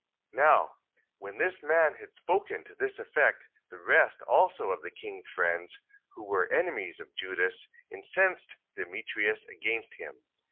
14:11. Now when this man had spoken to this effect the rest also of the king's friends, who were enemies of Judas, incensed Demetrius against him.